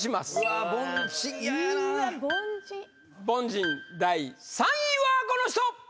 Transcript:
凡人第３位はこの人！